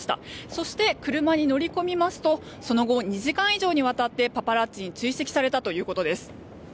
そして、車に乗り込みますとその後、２時間以上にわたってパパラッチに追跡されたということです。